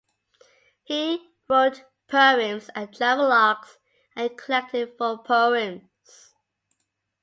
He wrote poems and travelogues and collected folk poems.